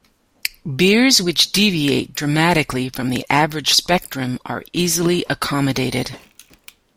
Beers which deviate dramatically from the "average" spectrum are easily accommodated.